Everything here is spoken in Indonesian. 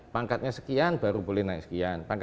pangkatnya sekian baru boleh naik sekian